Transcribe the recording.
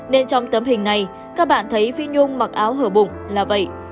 nên trong tấm hình này các bạn thấy phi nhung mặc áo hở bụng là vậy